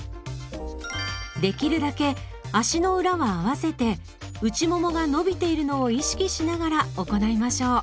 できるだけ足の裏は合わせて内ももが伸びているのを意識しながら行いましょう。